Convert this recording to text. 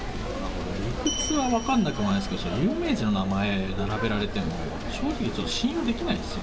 理屈は分からなくもないですけど、それ、有名人の名前並べられても、正直信用できないですよ。